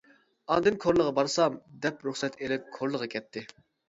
ئاندىن «كورلىغا بارسام» دەپ رۇخسەت ئېلىپ كورلىغا كەتتى.